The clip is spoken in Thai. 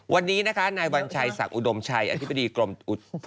วันนี้นะคะนายวัญชัยศักดิอุดมชัยอธิบดีกรม